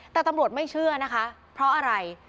แต่ตำรวจไม่เชื่อนะคะเพราะอะไร